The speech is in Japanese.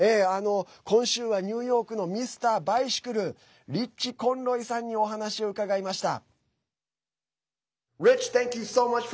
今週は、ニューヨークのミスターバイシクルリッチ・コンロイさんにお話を伺いました。